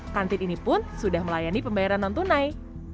kantin ini pun sudah melayani pembayaran non tunai